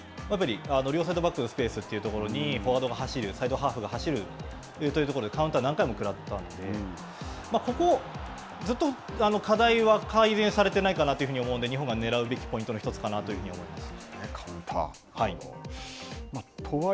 そのシーンもそうなんですけれども、両サイドバックのスペースというところに、フォワードが走るサイドハーフが走るというところで、カウンターを何回も食らったんで、ここ、ずっと課題は改善されてないかなと思うので、日本がねらうべきポイントの１つかなと思います。